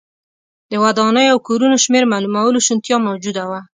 د ودانیو او کورونو شمېر معلومولو شونتیا موجوده وه